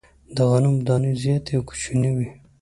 د غنمو دانې زیاتي او کوچنۍ وې.